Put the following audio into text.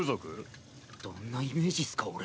どんなイメージっすか俺。